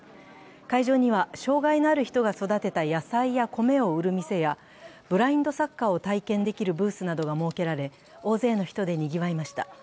会場には、障害のある人が育てた野菜や米を売る店やブラインドサッカーを体験できるブースなどが設けられ大勢の人でにぎわいました。